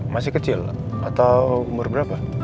masih kecil atau umur berapa